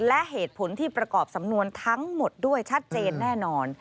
และเหตุผลที่ประกอบสำนวนทั้งหมดด้วยชัดเจนแน่นอน